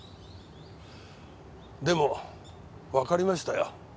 でもわかりましたよ。